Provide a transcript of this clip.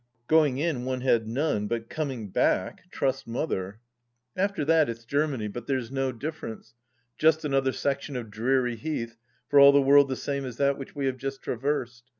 Going in, one had none, but coming back — trust Mother t After that, it's Germany, but there's no difference : just another section of dreary heath, for all the world the same as that we have just traversed.